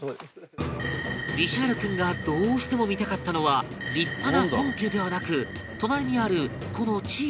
リシャール君がどうしても見たかったのは立派な本家ではなく隣にあるこの小さな小屋